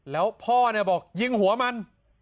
แล้วพ่อเนี่ยบอกยิงหัวมัน